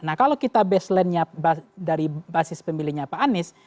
nah kalau kita baseline nya dari basis pemilihnya pak anies